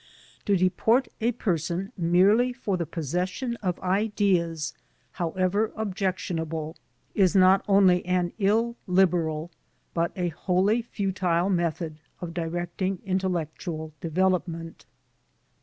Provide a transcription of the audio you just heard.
To deport a person merely for the possession of ideas, however objectionable, is not only an illiberal, but a wholly futile, method of directing intellectual devel opment.